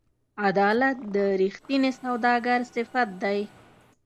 عدالت د رښتیني سوداګر صفت دی.